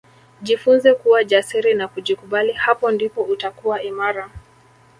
Jifunze kuwa jasiri na kujikubali hapo ndipo utakuwa imara